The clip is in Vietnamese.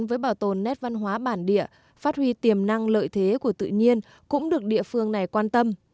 với bảo tồn nét văn hóa bản địa phát huy tiềm năng lợi thế của tự nhiên cũng được địa phương này quan tâm